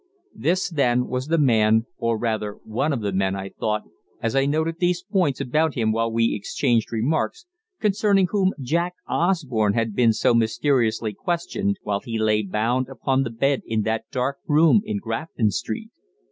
This then was the man, or rather one of the men, I thought, as I noted these points about him while we exchanged remarks, concerning whom Jack Osborne had been so mysteriously questioned while he lay bound upon the bed in that dark room in Grafton Street.